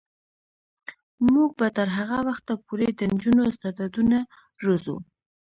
موږ به تر هغه وخته پورې د نجونو استعدادونه روزو.